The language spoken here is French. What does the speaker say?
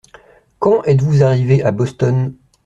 Quand êtes-vous arrivé à Boston ?